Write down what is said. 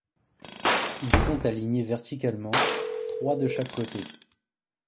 Ils sont alignés verticalement, trois de chaque côté.